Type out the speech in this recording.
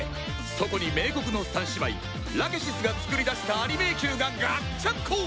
そこに冥黒の三姉妹ラケシスが作り出したアリ迷宮がガッチャンコ！